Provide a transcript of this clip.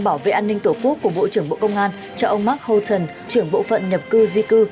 bảo vệ an ninh tổ quốc của bộ trưởng bộ công an cho ông mark houghton trưởng bộ phận nhập cư di cư